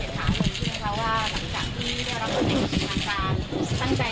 เป็นเรื่องของเขาว่าหลังจากนี้ด้วยรับคุณเอกประยุทธ์ทางการ